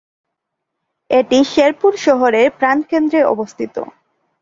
এটি শেরপুর শহরের প্রাণকেন্দ্রে অবস্থিত।